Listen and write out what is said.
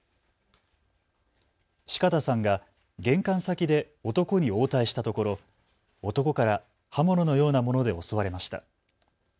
四方さんが玄関先で男に応対したところ男から刃物のようなもので襲われました。